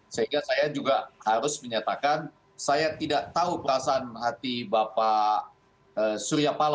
sehingga saya juga harus menyatakan saya tidak tahu perasaan hati bapak surya palo